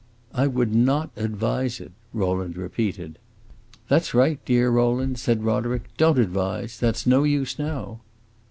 "I would not advise it," Rowland repeated. "That 's right, dear Rowland," said Roderick; "don't advise! That 's no use now."